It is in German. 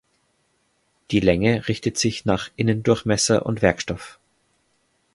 Die Länge richtet sich nach Innendurchmesser und Werkstoff.